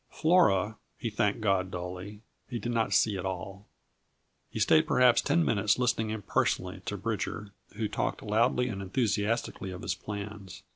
Flora, he thanked God dully, he did not see at all. He stayed perhaps ten minutes listening impersonally to Bridger, who talked loudly and enthusiastically of his plans.